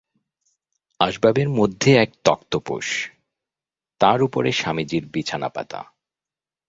আসবাবের মধ্যে এক তক্তপোশ, তার উপরে স্বামীজির বিছানা পাতা।